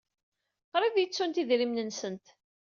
Qrib ay ttunt idrimen-nsent.